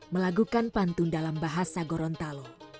melakukan pantun dalam bahasa gorontalo